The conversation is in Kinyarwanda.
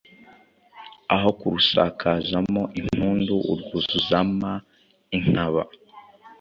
Aho kurusakazamo impundu urwuzuzama inkaba